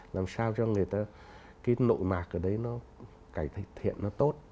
làm sao cho người ta cái nội mạc ở đấy nó cải thiện nó tốt